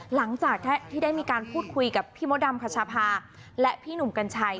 หลังจากที่ได้มีการพูดคุยกับพี่มดดำคัชภาและพี่หนุ่มกัญชัย